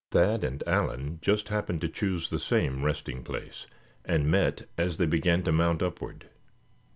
Thad and Allan just happened to choose the same resting place, and met as they began to mount upward.